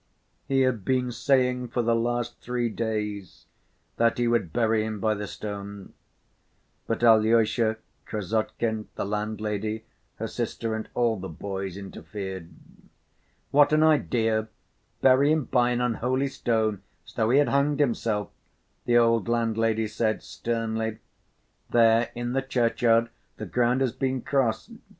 He had been saying for the last three days that he would bury him by the stone, but Alyosha, Krassotkin, the landlady, her sister and all the boys interfered. "What an idea, bury him by an unholy stone, as though he had hanged himself!" the old landlady said sternly. "There in the churchyard the ground has been crossed.